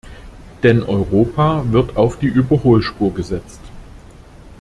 Denn Europa wird auf die Überholspur gesetzt.